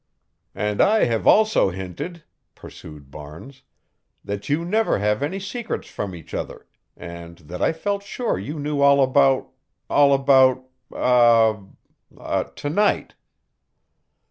"And I have also hinted," pursued Barnes, "that you never have any secrets from each other, and that I felt sure that you knew all about all about a a er to night."